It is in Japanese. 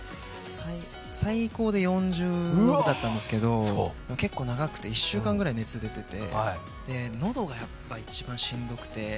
最高で４０度だったんですけど、結構長くて１週間ぐらい熱出てて、喉が一番しんどくて。